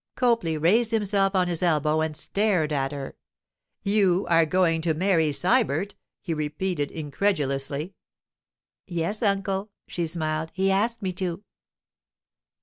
Copley raised himself on his elbow and stared at her. 'You are going to marry Sybert?' he repeated incredulously. 'Yes, uncle,' she smiled. 'He asked me to.